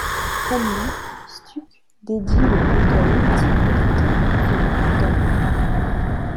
Comme lui, Stuck dédie le recueil à son protecteur, Philippe d'Orléans.